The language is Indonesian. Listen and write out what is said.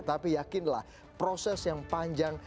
tapi yakinlah proses yang panjang